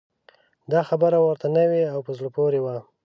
دا خبره ورته نوې او په زړه پورې وه.